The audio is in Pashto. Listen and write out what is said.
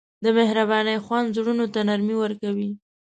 د مهربانۍ خوند زړونو ته نرمي ورکوي.